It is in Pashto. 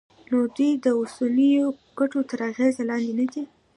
نو دوی د اوسنیو ګټو تر اغېز لاندې ندي.